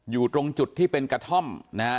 อยู่ตรงจุดที่เป็นกระท่อมนะฮะ